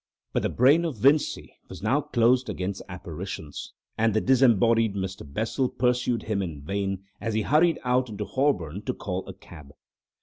But the brain of Vincey was now closed against apparitions, and the disembodied Mr. Bessel pursued him in vain as he hurried out into Holborn to call a cab.